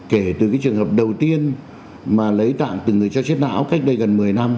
kể từ trường hợp đầu tiên mà lấy tạng từ người cho chết não cách đây gần một mươi năm